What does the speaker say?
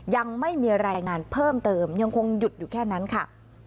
ยังไม่มีรายงานเพิ่มเติมยังคงหยุดอยู่แค่นั้นค่ะ